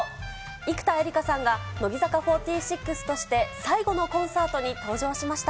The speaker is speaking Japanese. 生田絵梨花さんが、乃木坂４６として最後のコンサートに登場しました。